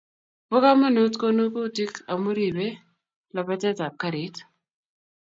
Bo komonut konogutik amu ribei labatetap garit